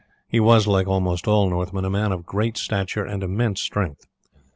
He was, like almost all Northmen, a man of great stature and immense strength.